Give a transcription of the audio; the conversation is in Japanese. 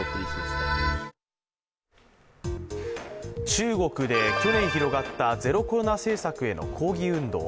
中国で去年広がったゼロコロナ政策への抗議運動。